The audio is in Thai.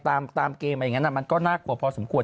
ตามเกมอย่างนั้นมันก็น่ากลัวพอสมควร